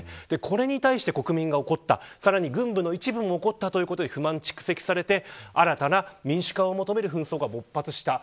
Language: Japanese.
これに対して国民が怒ったさらに軍部の一部も怒ったということで不満が蓄積されて新たな民主化を求める紛争が勃発した。